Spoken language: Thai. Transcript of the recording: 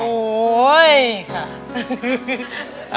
โอ๊ยค่ะ